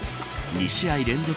２試合連続